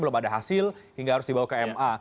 belum ada hasil ini nggak harus dibawa ke ma